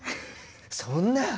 そんな！